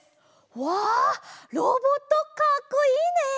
わあっロボットかっこいいね！